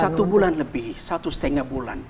satu bulan lebih satu setengah bulan